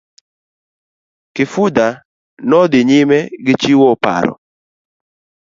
Kifuja nodhi nyime gichiwo paro.